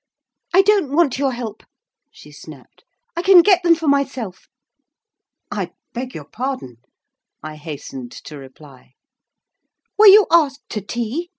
"I don't want your help," she snapped; "I can get them for myself." "I beg your pardon!" I hastened to reply. "Were you asked to tea?"